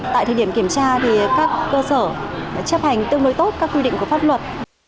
tại thời điểm kiểm tra thì các cơ sở chấp hành tương đối tốt các quy định của pháp luật